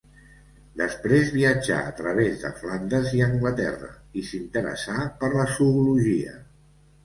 Després viatjà a través de Flandes i Anglaterra i s’interessà per la zoologia.